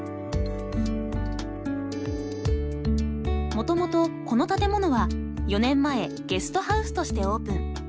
もともとこの建物は４年前ゲストハウスとしてオープン。